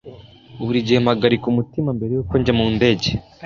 Buri gihe mpagarika umutima mbere yuko njya mu ndege.